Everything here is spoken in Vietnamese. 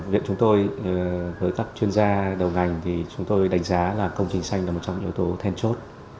với các chuyên gia đầu ngành chúng tôi đánh giá công trình xanh là một trong những yếu tố thêm chốt